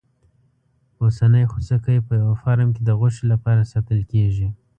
اوسنی خوسکی په یوه فارم کې د غوښې لپاره ساتل کېږي.